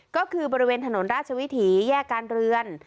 ก็คือบริเวณถนนราชวิถีแยกการเรือน